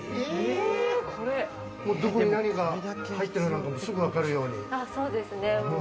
どこに何が入ってるのかすぐわかるように。